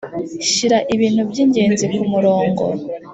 shyira ibintu by ingenzi ku murongo